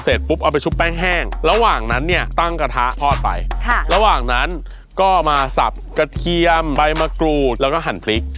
ปุ๊บเอาไปชุบแป้งแห้งระหว่างนั้นเนี่ยตั้งกระทะทอดไปค่ะระหว่างนั้นก็มาสับกระเทียมใบมะกรูดแล้วก็หั่นพริก